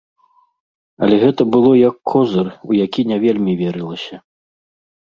Але гэта было як козыр, у які не вельмі верылася.